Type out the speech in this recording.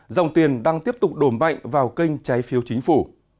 dòng tiền đang tiếp tục đồn bạnh vào kênh trái phiếu chính phủ